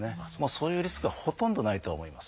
そういうリスクはほとんどないとは思います。